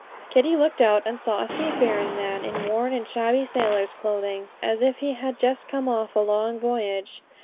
Kitty looked out and saw a seafaring man, in worn and shabby sailor's clothing, as if he had just come off a long voyage.